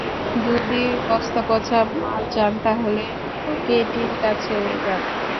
যদি বস্তাপচা মাল চান, তাহলে কেটির কাছে যান।